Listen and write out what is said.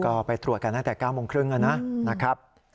ก็ไปตรวจกันตั้งแต่๙โมงครึ่งนะครับ